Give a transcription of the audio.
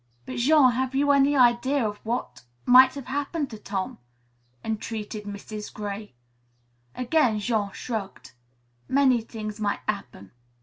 "But Jean, have you any idea of what might have happened to Tom?" entreated Mrs. Gray. Again Jean shrugged. "Many t'ings might 'appen.